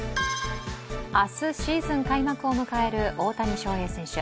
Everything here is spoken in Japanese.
明日シーズン開幕を迎える大谷翔平選手。